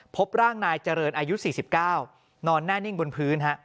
พบร่างนายเจริญอายุ๔๙นอนแน่นิ่งบนพื้นฮะ